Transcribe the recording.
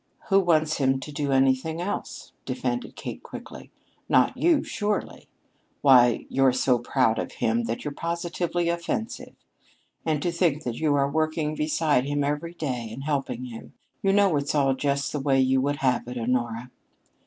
"Who wants him to do anything else!" defended Kate quickly. "Not you, surely! Why, you're so proud of him that you're positively offensive! And to think that you are working beside him every day, and helping him you know it's all just the way you would have it, Honora."